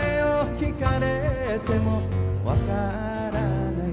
「聞かれてもわからない」